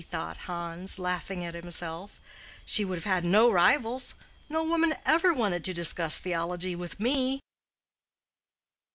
thought Hans, laughing at himself. "She would have had no rivals. No woman ever wanted to discuss theology with me."